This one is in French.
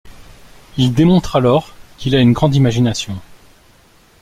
Il démontre alors qu'il a une grande imagination.